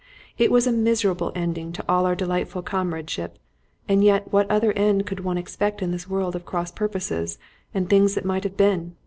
It was a miserable ending to all our delightful comradeship, and yet what other end could one expect in this world of cross purposes and things that might have been?